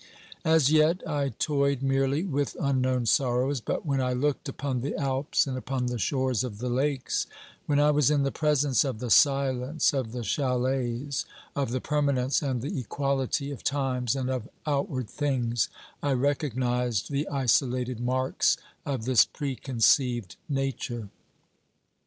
As yet I toyed merely with unknown sorrows ; but when I looked upon the Alps and upon the shores of the lakes, when I was in the presence of the silence of the chalets, of the permanence and the equality of times and of outward things, I recognised the isolated marks of this preconceived Nature.